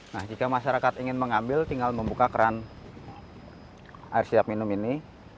nah jika masyarakat ingin mengambil tinggal membuka keran air siap minum ini